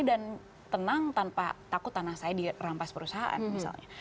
dan tenang tanpa takut tanah saya dirampas perusahaan misalnya